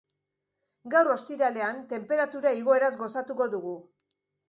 Gaur, ostiralean, tenperatura igoeraz gozatuko dugu.